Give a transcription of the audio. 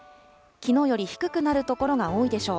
きのうより低くなる所が多いでしょう。